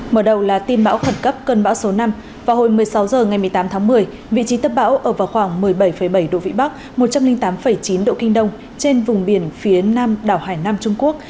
mở đầu là tin bão khẩn cấp cân bão số năm vào hồi một mươi sáu h ngày một mươi tám tháng một mươi vị trí tâm bão ở vào khoảng một mươi bảy bảy độ vĩ bắc một trăm linh tám chín độ kinh đông trên vùng biển phía nam đảo hải nam trung quốc